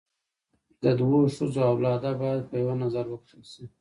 د دوو ښځو اولاده باید په یوه نظر وکتل سي.